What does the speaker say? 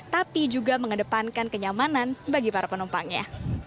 tapi juga mengedepankan kenyamanan bagi para penumpangnya